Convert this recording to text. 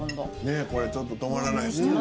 ねえこれちょっと止まらないですね。